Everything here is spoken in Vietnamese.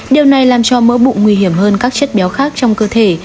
điều này làm cho mỡ bụng nguy hiểm hơn các chất béo khác trong cơ thể